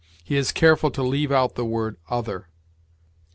he is careful to leave out the word other.